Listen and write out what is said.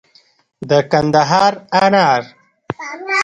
د کندهار انار